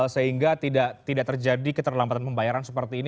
sehingga tidak terjadi keterlambatan pembayaran seperti ini